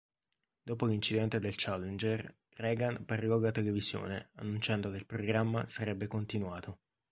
Dopo l'incidente del Challenger, Reagan parlò alla televisione annunciando che il programma sarebbe continuato.